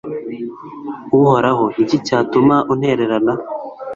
uhoraho, ni iki cyatuma untererana